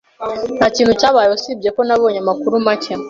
Ntakintu cyabaye usibye ko nabonye amakuru make.